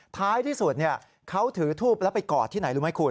ท้ายที่สุดเขาถือทูปแล้วไปกอดที่ไหนรู้ไหมคุณ